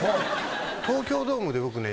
東京ドームで僕ね。